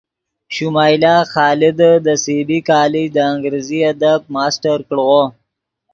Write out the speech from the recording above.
شمائلہ خادے دے سی بی کالج دے انگریزی ادب ماسٹر کڑغو